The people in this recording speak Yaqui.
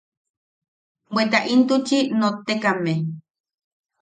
Bweta intuchi nottekame.